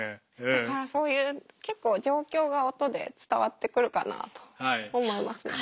だからそういう結構状況が音で伝わってくるかなと思いますね。